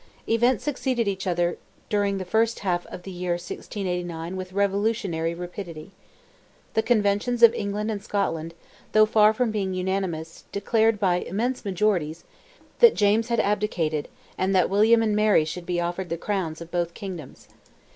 Events succeeded each other during the first half of the year 1689 with revolutionary rapidity. The conventions of England and Scotland, though far from being unanimous, declared by immense majorities, that James had abdicated, and that William and Mary should be offered the crowns of both kingdoms.